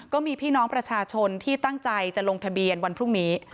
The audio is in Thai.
ก็มีพี่น้องประชาชนที่ตั้งใจจะลงทะเบียนวันพรุ่งนี้